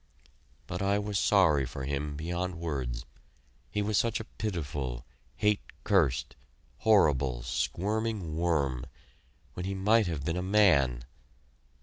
But I was sorry for him beyond words he was such a pitiful, hate cursed, horrible, squirming worm, when he might have been a man.